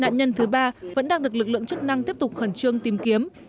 nạn nhân thứ ba vẫn đang được lực lượng chức năng tiếp tục khẩn trương tìm kiếm